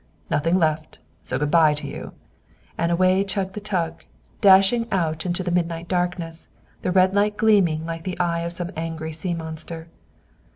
"Nothing left! So good bye to you!" And away churned the tug, dashing out into the midnight darkness, the red light gleaming like the eye of some angry sea monster.